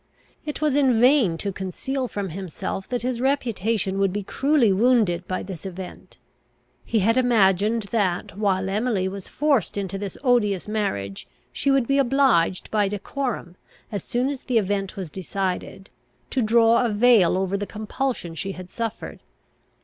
It was in vain to conceal from himself that his reputation would be cruelly wounded by this event. He had imagined that, while Emily was forced into this odious marriage, she would be obliged by decorum, as soon as the event was decided, to draw a veil over the compulsion she had suffered.